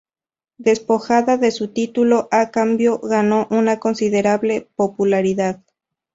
Despojada de su título, a cambio ganó una considerable popularidad.